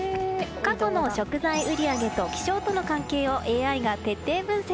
過去の食材売り上げと気象との関係をＡＩが徹底分析。